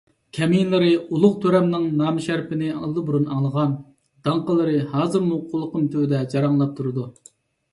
كەمىنىلىرى ئۇلۇغ تۆرەمنىڭ نامىشەرىپىنى ئاللىبۇرۇن ئاڭلىغان، داڭقىلىرى ھازىرمۇ قۇلىقىم تۈۋىدە جاراڭلاپ تۇرىدۇ.